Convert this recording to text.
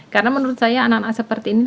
karena menurut saya anak anak seperti ini